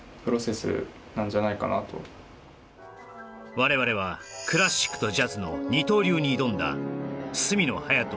我々はクラシックとジャズの二刀流に挑んだ角野隼斗